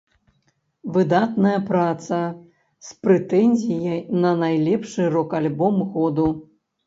Выдатная праца з прэтэнзіяй на найлепшы рок-альбом году.